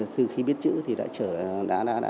từ khi biết chữ thì đã trở về